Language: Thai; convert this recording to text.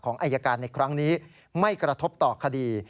อายการในครั้งนี้ไม่กระทบต่อคดี